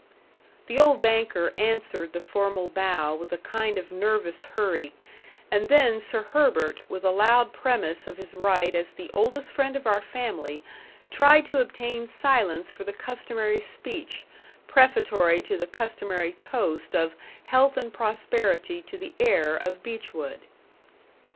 The old banker answered the formal bow with a kind of nervous hurry; and then Sir Herbert, with a loud premise of his right as the oldest friend of our family, tried to obtain silence for the customary speech, prefatory to the customary toast of "Health and prosperity to the heir of Beechwood."